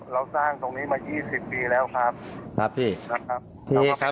เราสร้างตรงนี้มายี่สิบปีแล้วครับครับพี่ครับครับพี่ครับ